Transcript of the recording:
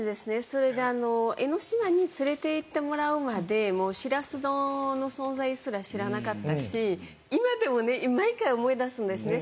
それであの江の島に連れて行ってもらうまでもうしらす丼の存在すら知らなかったし今でもね毎回思い出すんですね。